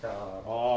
ああ。